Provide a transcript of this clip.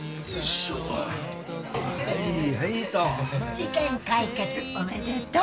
事件解決おめでとう。